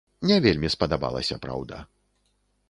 Не вельмі спадабалася, праўда.